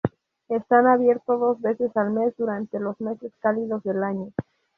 Está abierto dos veces al mes durante los meses cálidos del año.